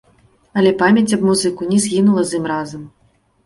Але памяць аб музыку не згінула з ім разам.